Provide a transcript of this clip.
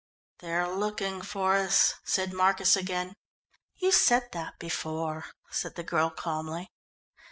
"They're looking for us," said Marcus again. "You said that before," said the girl calmly.